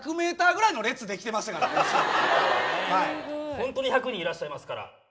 ホントに１００人いらっしゃいますから。